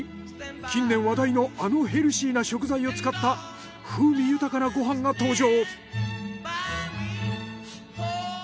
近年話題のあのヘルシーな食材を使った風味豊かなご飯が登場。